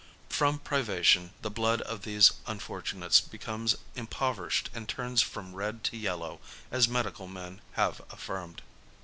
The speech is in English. From privation, the blood of these un fortunates becomes impoverished and turns from red to yellow, as medical men have affirmed.